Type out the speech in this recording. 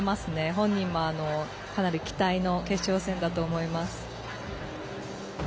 本人も、かなり期待の決勝戦だと思います。